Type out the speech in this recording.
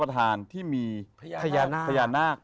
พระพุทธพิบูรณ์ท่านาภิรม